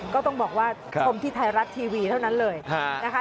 ก็ต้องบอกว่าชมที่ไทยรัฐทีวีเท่านั้นเลยนะคะ